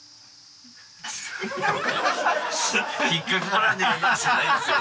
「引っかからねえな」じゃないんですよ。